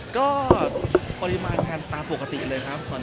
ก็ปริมาณกันตามปกติเลยครับ